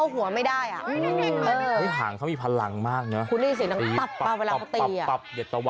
หัวมันลดออกมาแล้ว